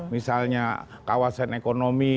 misalnya kawasan ekonomi